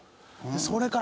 それから